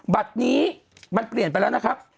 บัตรนี้มันเปลี่ยนไปแล้วนะครับ